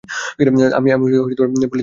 আমি পুলিশদের নিয়োগ দিচ্ছি।